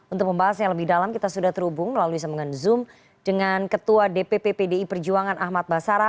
untuk pembahasannya lebih dalam kita sudah terhubung lalu bisa mengen zoom dengan ketua dpp pdi perjuangan ahmad basara